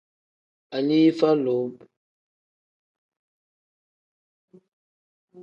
Alifa lube.